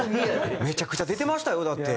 めちゃくちゃ出てましたよだって。